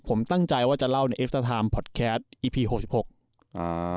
ผมตั้งใจว่าจะเล่าในพอดแคสอีพีหกสิบหกอ่า